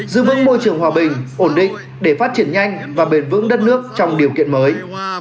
giữ vững môi trường hòa bình ổn định để phát triển nhanh và bền vững đất nước trong điều kiện mới